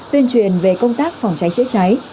tuyên truyền về công tác phòng cháy chữa cháy